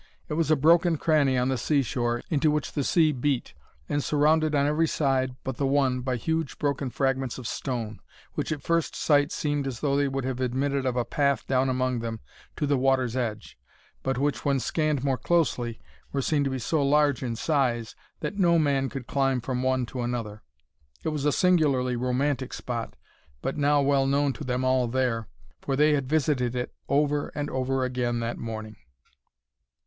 It was a broken cranny on the sea shore into which the sea beat, and surrounded on every side but the one by huge broken fragments of stone, which at first sight seemed as though they would have admitted of a path down among them to the water's edge; but which, when scanned more closely, were seen to be so large in size, that no man could climb from one to another. It was a singularly romantic spot, but now well known to them all there, for they had visited it over and over again that morning.